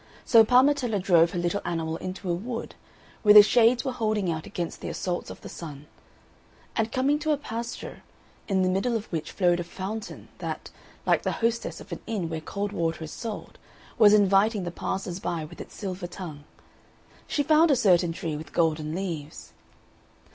So Parmetella drove her little animal into a wood, where the Shades were holding out against the assaults of the Sun; and coming to a pasture in the middle of which flowed a fountain, that, like the hostess of an inn where cold water is sold, was inviting the passers by with its silver tongue she found a certain tree with golden leaves.